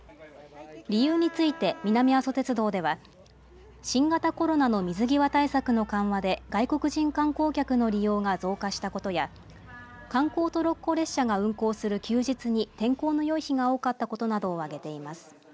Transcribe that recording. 理由について、南阿蘇鉄道では新型コロナの水際対策の緩和で外国人観光客の利用が増加したことや観光トロッコ列車が運行する休日に天候のよい日が多かったことなどを挙げています。